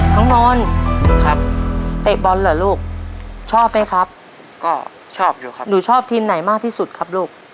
น้องนนท์ครับเตะบอลเหรอลูกชอบไหมครับก็ชอบอยู่ครับหนูชอบทีมไหนมากที่สุดครับลูก